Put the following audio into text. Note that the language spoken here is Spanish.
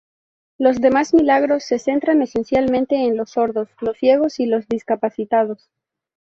Los demás milagros se centran esencialmente en los sordos, los ciegos y los discapacitados.